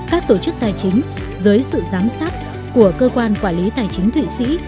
các tổ chức tài chính dưới sự giám sát của cơ quan quản lý tài chính thụy sĩ